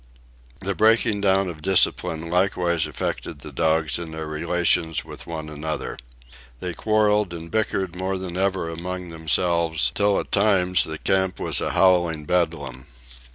The breaking down of discipline likewise affected the dogs in their relations with one another. They quarrelled and bickered more than ever among themselves, till at times the camp was a howling bedlam.